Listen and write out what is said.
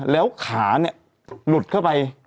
แล้วขาเนี่ยหลุดเข้าไป